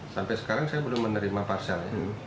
sampai sekarang saya belum menerima parsel ini